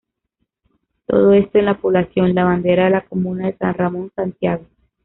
Todo esto en la población La Bandera de la comuna de San Ramón, Santiago.